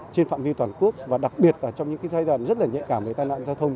trên phạm vi toàn quốc và đặc biệt trong những thời gian rất nhẹ cảm về tai nạn giao thông